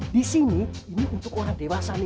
di sini ini untuk orang dewasa nih